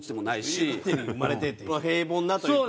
平凡なというか。